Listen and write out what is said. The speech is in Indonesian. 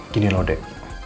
gini loh dek